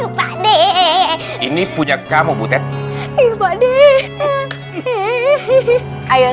eh tadi itu botolnya